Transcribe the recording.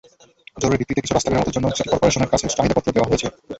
জরুরি ভিত্তিতে কিছু রাস্তা মেরামতের জন্য সিটি করপোরেশনের কাছে চাহিদাপত্র দেওয়া হয়েছে।